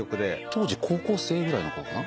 当時高校生ぐらいのころかな？